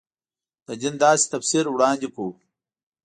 د دین داسې تفسیر وړاندې کړو.